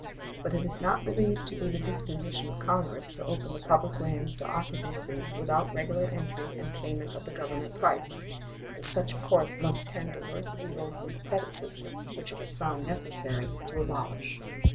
But it is not believed to be the disposition of Congress to open the public lands to occupancy without regular entry and payment of the Government price, as such a course must tend to worse evils than the credit system, which it was found necessary to abolish.